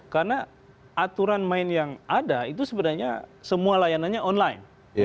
karena aturan main yang ada itu sebenarnya semua layanannya online